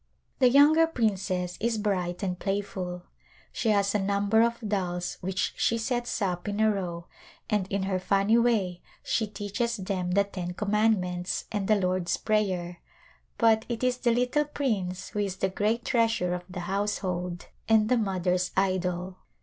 The younger princess is bright and playful. She has a number of dolls which she sets up in a row and in her funny way she teaches them the Ten Com mandments and the Lord's Prayer; but it is the little prince who is the great treasure of the household and [ 309] A Glimpse of Lidia the mother's idol.